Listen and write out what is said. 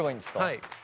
はい。